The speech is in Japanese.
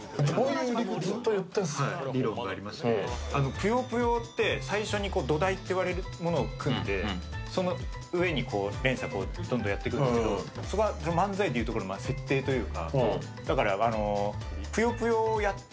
ぷよぷよって、最初に土台と言われるものを組んでその上に連鎖をどんどんやっていくんですけど、そこが漫才で言うところの設定というか。